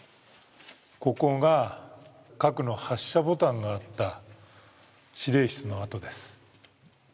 ここが核の発射ボタンがあった司令室の跡です。